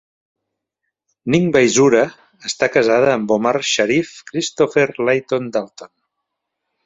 Ning Baizura està casada amb Omar Sharif Christopher Layton Dalton.